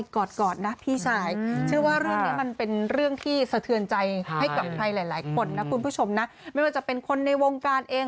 ขอบคุณผู้ชมนะไม่ว่าจะเป็นคนในวงการเอง